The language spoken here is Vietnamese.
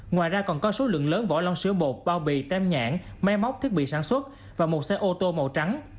ngoài ra còn có số lượng lớn vỏ lon sữa bột bao bì tem nhãn máy móc thiết bị sản xuất và một xe ô tô màu trắng